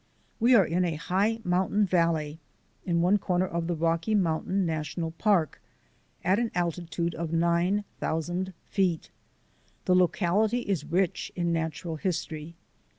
We are in a high mountain valley, in one corner of the Rocky Mountain National Park, at an alti tude of nine thousand feet. The locality is rich in natural history.